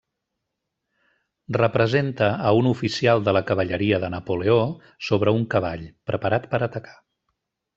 Representa a un oficial de la cavalleria de Napoleó sobre un cavall, preparat per atacar.